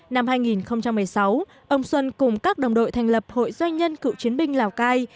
năm hai nghìn một mươi sáu ông xuân cùng các đồng đội thành lập hội doanh nhân cựu chiến binh lào cai